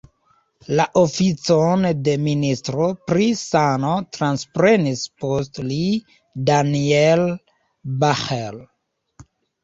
La oficon de ministro pri sano transprenis post li Daniel Bahr.